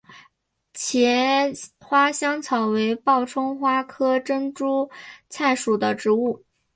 茄花香草为报春花科珍珠菜属的植物。